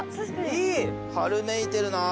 春めいてるな。